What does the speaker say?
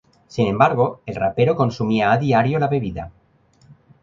Sin embargo, el rapero consumía a diario la bebida.